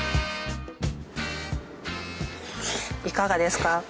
いかがですか？